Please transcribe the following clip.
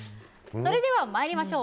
それでは参りましょう。